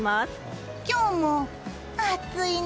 今日も暑いな。